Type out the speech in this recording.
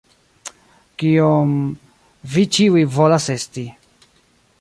Kion... vi ĉiuj volas esti.